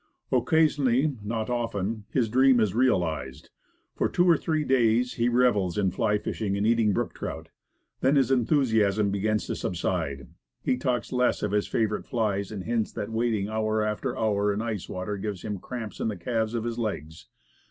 Occasionally not often his dream is realized. For two or three days he revels in fly fishing, and eat ing brook trout. Then his enthusiasm begins to sub side. He talks less of his favorite flies, and hints that wading hour after hour in ice water gives him cramps in the calves of his legs.